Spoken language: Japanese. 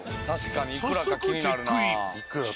早速チェックイン。